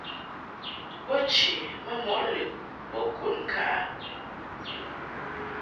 Bo che ma mɔʼ lɨʼ bo kud ŋka a.